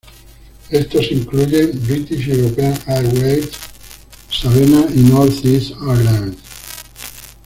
Estos incluyen British European Airways, Sabena y Northeast Airlines.